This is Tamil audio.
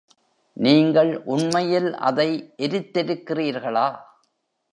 நீங்கள் உண்மையில் அதை எரித்திருக்கிறீர்களா?